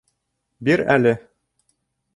Бир әле.